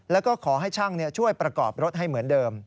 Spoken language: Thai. แล้วก็ขอให้ช่างช่วยประกอบรถให้เหมือนเดิม